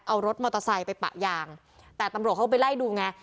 เอารถมอเตอร์ไซค์ไปปะยางแต่ตำรวจเขาก็ไปไล่ดูไง